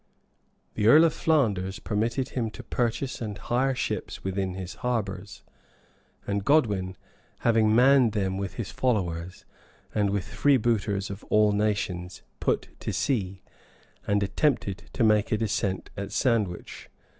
{1052.} The earl of Flanders permitted him to purchase and hire ships within his harbors; and Godwin, having manned them with his followers, and with freebooters of all nations, put to sea, and attempted to make a descent at Sandwich.